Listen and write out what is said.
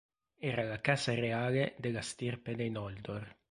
Era la Casa reale della stirpe dei Noldor.